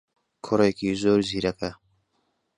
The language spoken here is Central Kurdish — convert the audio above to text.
کوڕێکی زۆر زیرەکە.